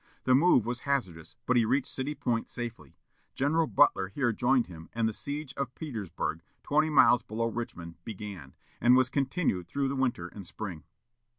The move was hazardous, but he reached City Point safely. General Butler here joined him, and the siege of Petersburg, twenty miles below Richmond, began, and was continued through the winter and spring.